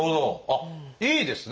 あっいいですね。